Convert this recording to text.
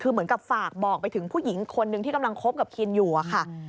คือเหมือนกับฝากบอกไปถึงผู้หญิงคนหนึ่งที่กำลังคบกับคินอยู่อะค่ะ